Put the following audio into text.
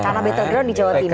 karena battle ground di jawa timur